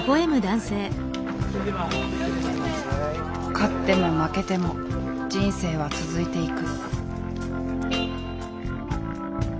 勝っても負けても人生は続いていく。